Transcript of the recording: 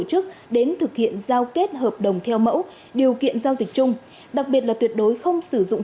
các cá nhân tổ chức đến thực hiện giao kết hợp đồng theo mẫu điều kiện giao dịch chung đặc biệt là tuyệt đối không sử dụng